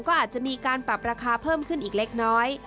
ก็อาจจะมีการปรับราคาเพิ่มขึ้นอีกเล็กน้อย